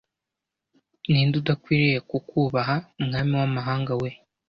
Ni nde udakwiriye kukubaha Mwami wamahanga we